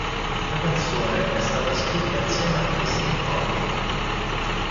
La canzone è stata scritta insieme a Christine Connolly.